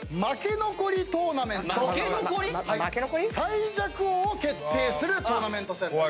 最弱王を決定するトーナメント戦です。